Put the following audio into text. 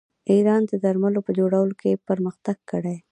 ایران د درملو په جوړولو کې پرمختګ کړی.